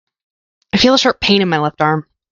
I feel a sharp pain in my left arm.